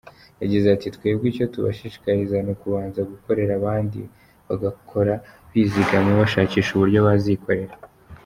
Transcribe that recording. Yagize ati “Twebwe icyo tubashishikariza ni ukubanza gukorera abandi, bagakora bizigama bashakisha uburyo bazikorera.